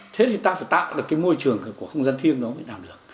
thế thì ta phải tạo được môi trường của không gian thiêng đó